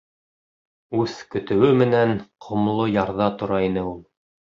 Үҙ көтөүе менән ҡомло ярҙа тора ине ул.